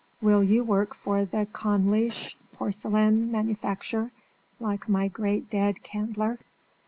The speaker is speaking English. "Will you work for the Konigliche Porcellan Manufactur, like my great dead Kandler?"